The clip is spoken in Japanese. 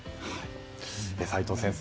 齋藤先生